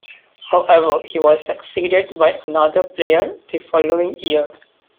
However, he was succeeded by another player the following year.